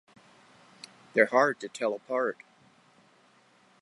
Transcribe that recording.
They're hard to tell apart.